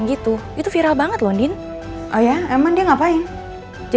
detek tapi postingnya udah gak ada